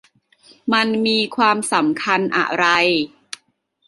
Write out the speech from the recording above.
มันมีความสำคัญอะไร ?